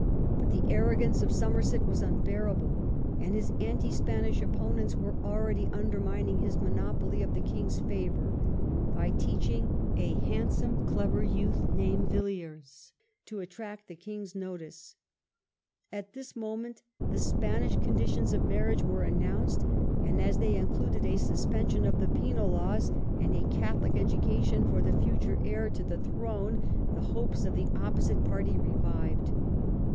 But the arrogance of Somerset was unbearable, and his anti Spanish opponents were already undermining his monopoly of the king's favour, by teaching a handsome, clever youth named Villiers to attract the king's notice. At this moment the Spanish conditions of marriage were announced, and as they included a suspension of the Penal laws and a Catholic education for the future heir to the throne, the hopes of the opposite party revived.